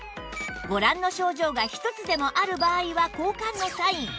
ご覧の症状が一つでもある場合は交換のサイン